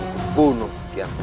kamu akan kubunuh gershara